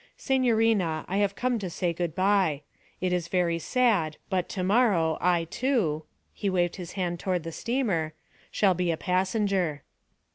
'Signorina, I have come to say good bye. It is very sad, but to morrow, I too' he waved his hand toward the steamer 'shall be a passenger.'